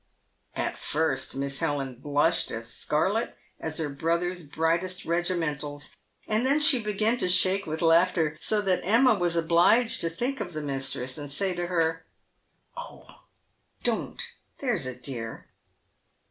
At first Miss Helen blushed as scarlet as her brother's brightest regimentals, and then she began to shake with laughter, so that Emma was obliged to think of the mistress, and say to her, " Oh ! don't, there's a dear!"